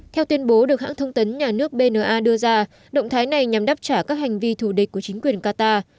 theo tuyên bố được hãng thông tấn nhà nước bna đưa ra động thái này nhằm đáp trả các hành vi thù địch của chính quyền qatar